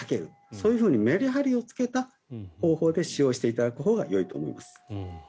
そういうふうにメリハリをつけた方法で使用していただくほうがよいと思います。